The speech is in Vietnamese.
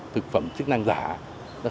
thực phẩm chức năng giả